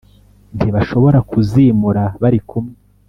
ntibashobora kuzimura bari kumwe